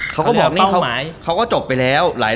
เค้าก็บอกเค้าก็จบไปแล้ว